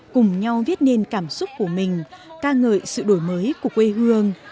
cùng nhau viết nên cảm xúc của mình ca ngợi sự đổi mới của quê hương